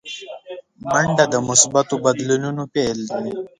منډه د مثبتو بدلونونو پیل دی